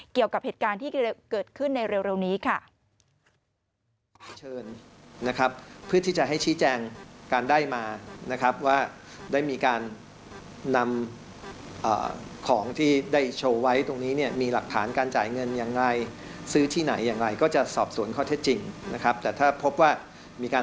เกี่ยวกับเหตุการณ์ที่เกิดขึ้นในเร็วนี้ค่ะ